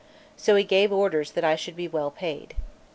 So he gave orders that I should be well paid.